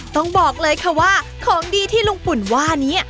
ต้องบอกเลยค่ะว่าของดีที่ลุงปุ่นว่านี้